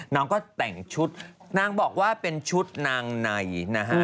น้องก็แต่งชุดนางบอกว่าเป็นชุดนางในนะฮะ